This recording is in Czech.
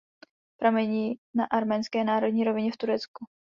Pramení na Arménské náhorní rovině v "Turecku".